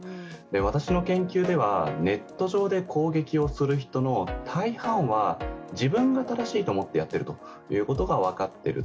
私の研究では、ネット上で攻撃をする人の大半は自分が正しいと思ってやっているということが分かっている。